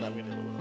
amin ya nung